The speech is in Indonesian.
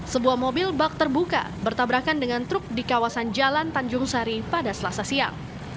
sebuah mobil bak terbuka bertabrakan dengan truk di kawasan jalan tanjung sari pada selasa siang